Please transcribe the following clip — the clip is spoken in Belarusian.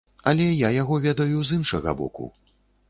Але я яго ведаю з іншага боку.